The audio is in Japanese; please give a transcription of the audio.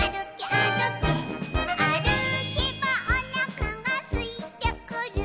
「あるけばおなかがすいてくる」